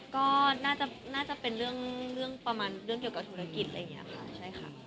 ก็น่าจะเป็นเรื่องประมาณเกี่ยวกับธุรกิจ